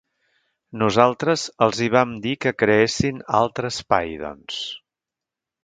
Nosaltres els hi vam dir que creessin altre espai, doncs.